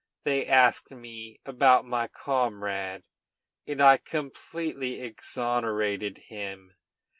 They asked me about my comrade, and I completely exonerated him.